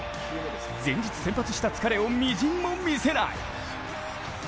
前日先発した疲れをみじんも見せない。